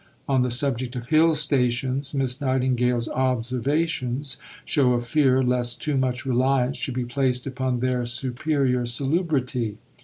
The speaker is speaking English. On the subject of "Hill Stations," Miss Nightingale's "Observations" show a fear lest too much reliance should be placed upon their superior salubrity.